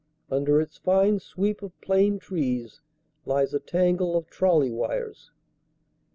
Under its fine sweep of plane trees lies a tangle of trolley wires.